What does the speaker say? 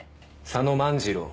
佐野万次郎。